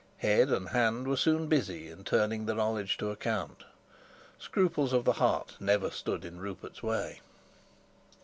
Head and hand were soon busy in turning the knowledge to account; scruples of the heart never stood in Rupert's way.